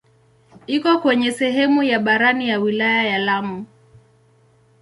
Iko kwenye sehemu ya barani ya wilaya ya Lamu.